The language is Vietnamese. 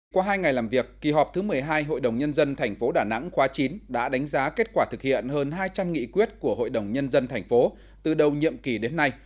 qua hai ngày làm việc kỳ họp thứ một mươi hai hội đồng nhân dân tp đà nẵng khóa chín đã đánh giá kết quả thực hiện hơn hai trăm linh nghị quyết của hội đồng nhân dân thành phố từ đầu nhiệm kỳ đến nay